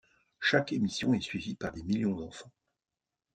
Chaque émission est suivie par des millions d'enfants.